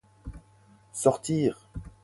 Sortir!